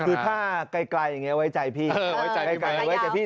คือถ้าใกล้ใกล่อย่างเงี้ยไว้ใจพี่เออไว้ใจพี่ไว้ใจพี่